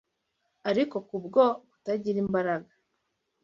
ariko kubwo kutagira imbaraga,